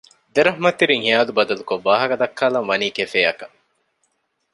ދެރަހްމަތްތެރިން ހިޔާލު ބަދަލުކޮށް ވާހަކަދައްކާލަން ވަނީ ކެފޭއަކަށް